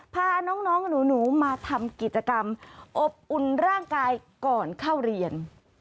พาน้องหนูมาทำกิจกรรมอบอุ่นร่างกายก่อนเข้าเรียน